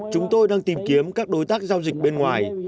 chúng tôi đang tìm kiếm các đối tác giao dịch bên ngoài